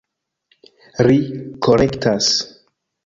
Ri korektas.